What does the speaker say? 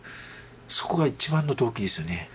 そこが一番の動機ですよね。